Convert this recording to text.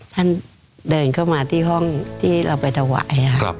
เดินเข้ามาที่ห้องที่เราไปถวายค่ะ